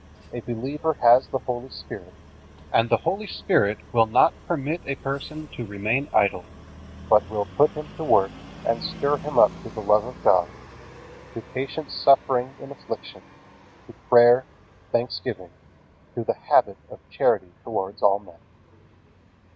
A believer has the Holy Spirit, and the Holy Spirit will not permit a person to remain idle, but will put him to work and stir him up to the love of God, to patient suffering in affliction, to prayer, thanksgiving, to the habit of charity towards all men.